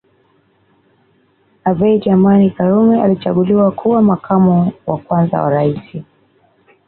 Abeid Amani Karume alichaguliwa kuwa Makamo wa kwanza wa Rais